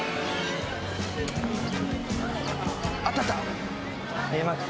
あったあった